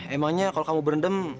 emangnya kalau kamu berendam